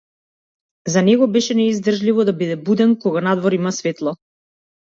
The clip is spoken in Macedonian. За него беше неиздржливо да биде буден кога надвор има светло.